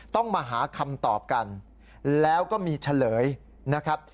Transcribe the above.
ต้องมาหาคำตอบกันแล้วก็มีเฉลยนะครับ